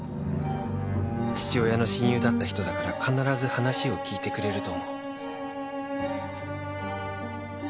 「父親の親友だった人だから必ず話を聞いてくれると思う」